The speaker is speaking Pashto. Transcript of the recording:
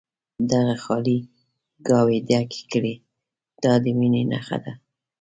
دغه خالي ګاوې ډکې کړي دا د مینې نښه ده.